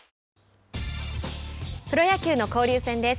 プロ野球の交流戦です。